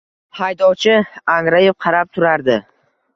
Haydovchi angrayib qarab turardi.